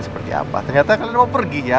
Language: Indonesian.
ternyata kalian mau pergi ya